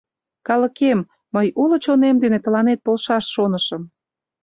Калыкем, мый уло чонем дене тыланет полшаш шонышым.